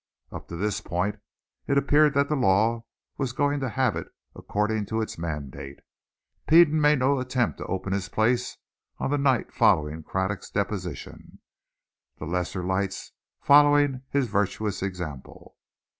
Up to this point it appeared that the law was going to have it according to its mandate. Peden made no attempt to open his place on the night following Craddock's deposition, the lesser lights following his virtuous example.